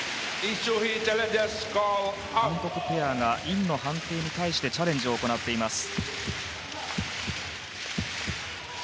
韓国ペアがインの判定に対してチャレンジを行っています。